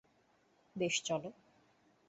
বেশ, চলো।